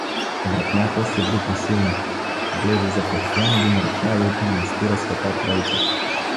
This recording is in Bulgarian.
Вратнята се бутна силно. Влезе запъхтян един ратай от манастира „Св. Троица“.